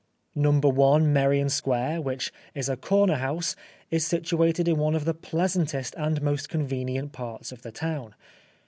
No. i Merrion Square, which is a corner house, is situated in one of the pleasantest and most convenient parts of the town.